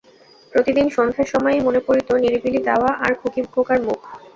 প্রতিদিন সন্ধ্যার সময়ই মনে পড়িত নিরিবিলি দাওয়া আর খুকী-খোকার মুখ।